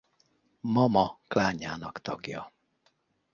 Ma-Ma klánjának tagja.